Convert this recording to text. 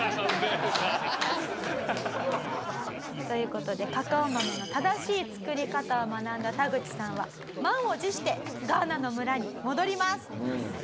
という事でカカオ豆の正しい作り方を学んだタグチさんは満を持してガーナの村に戻ります。